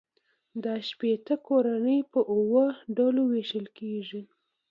دا شپیته کورنۍ په اووه ډلو وېشل کېږي